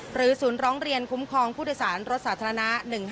ศูนย์ร้องเรียนคุ้มครองผู้โดยสารรถสาธารณะ๑๕